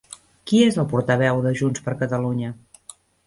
Qui és el portaveu de Junts per Catalunya?